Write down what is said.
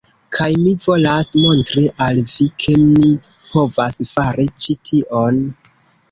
Kaj mi volas montri al vi, ke ni povas fari ĉi tion.